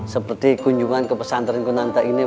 seperti kunjungan ke pesantren kunanta ini